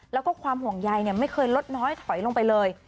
แล้วก็ความห่วงใยไม่เคยลดน้อยถอยลงไปเลย